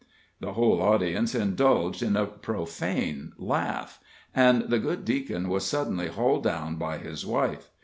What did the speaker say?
The whole audience indulged in a profane laugh, and the good deacon was suddenly hauled down by his wife.